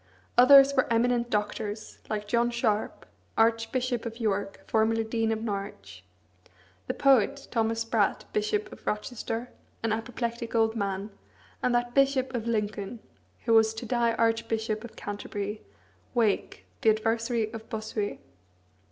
Others were eminent Doctors, like John Sharp, Archbishop of York, formerly Dean of Norwich; the poet, Thomas Spratt, Bishop of Rochester, an apoplectic old man; and that Bishop of Lincoln, who was to die Archbishop of Canterbury, Wake, the adversary of Bossuet.